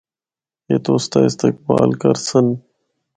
اے تُسدا استقبال کرسن۔